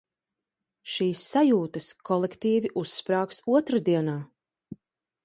Šīs sajūtas kolektīvi uzsprāgs otrdienā.